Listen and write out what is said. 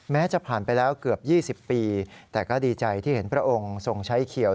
จะผ่านไปแล้วเกือบ๒๐ปีแต่ก็ดีใจที่เห็นพระองค์ทรงใช้เขียว